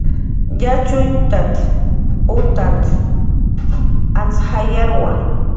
"Yatxutanh utanht"" antz jayankiwa"